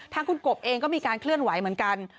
ทางคุณกบเองก็มีการเคลื่อนไหวเหมือนกัน